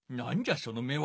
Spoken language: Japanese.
その目は。